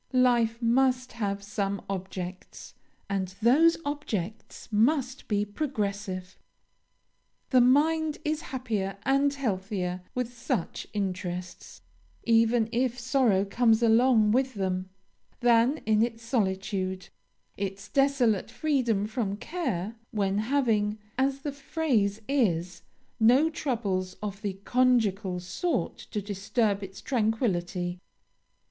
Life must have some objects, and those objects must be progressive. The mind is happier and healthier with such interests, even if sorrow comes along with them, than in its solitude, its desolate freedom from care, when having, as the phrase is, no troubles of the conjugal sort to disturb its tranquillity.